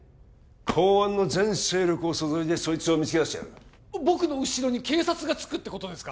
公安の全勢力を注いでそいつを見つけ出してやる僕の後ろに警察がつくってことですか？